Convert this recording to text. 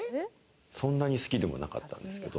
そんなに好きでもなかったんですけど。